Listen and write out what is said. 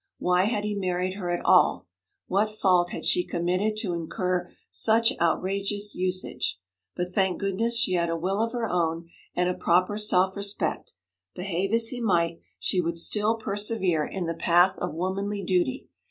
Why had he married her at all? What fault had she committed to incur such outrageous usage? But, thank goodness, she had a will of her own, and a proper self respect; behave as he might, she would still persevere in the path of womanly duty.